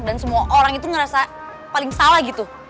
dan semua orang itu ngerasa paling salah gitu